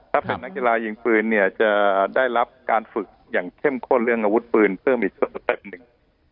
ถ้าเป็นนักกีฬายิงปืนเนี่ยจะได้รับการฝึกอย่างเข้มข้นเรื่องอาวุธปืนเพิ่มอีกสเต็ปหนึ่ง